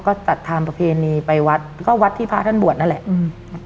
ก็จัดทำประเพณีไปวัดก็วัดที่พระท่านบวชนั่นแหละอืม